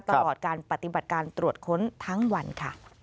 ตลอดการปฏิบัติการตรวจค้นทั้งวันค่ะ